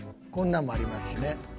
こんなんもありますしね。